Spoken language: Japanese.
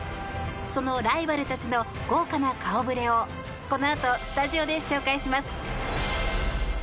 そのライバルたちの豪華な顔触れをこのあと、スタジオで紹介します。